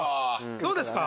どうですか？